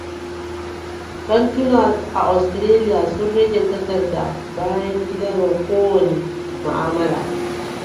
Kantuna a Ostiraliya sun rage takarda bayan gida ga kowane ma'amala